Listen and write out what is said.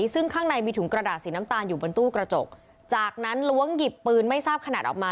ซึ่งข้างในมีถุงกระดาษสีน้ำตาลอยู่บนตู้กระจกจากนั้นล้วงหยิบปืนไม่ทราบขนาดออกมา